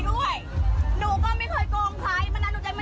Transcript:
ในนี้มันมีตัวอยู่เฉพายะในกระเป๋าในนี้แบงค์เด่น